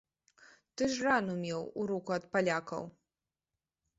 Ты ж рану меў у руку ад палякаў!